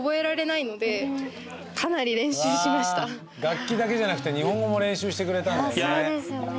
楽器だけじゃなくて日本語も練習してくれたんですね。